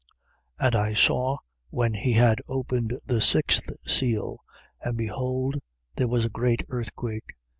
6:12. And I saw, when he had opened the sixth seal: and behold there was a great earthquake.